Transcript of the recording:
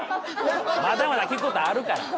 まだまだ聞く事あるから！